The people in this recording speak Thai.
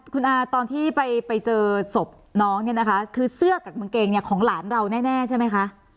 คุณอาตอนที่ไปเจอศพน้องคือเสื้อกับกางเกงของหลานเราแน่ใช่ไหมคะ